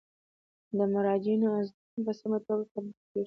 د مراجعینو ازدحام په سمه توګه کنټرول کیږي.